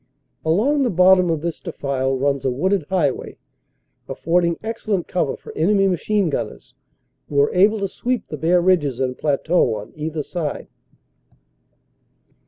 Along the bottom of this defile runs a wooded highway, affording excellent cover for enemy machine gunners, who were able to sweep the bare ridges and plateaux on either side.